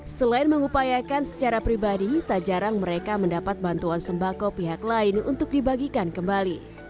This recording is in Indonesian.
selain mengupayakan secara pribadi tak jarang mereka mendapat bantuan sembako pihak lain untuk dibagikan kembali